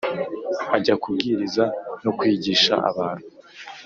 Ajya kubwiriza no kwigisha abantu.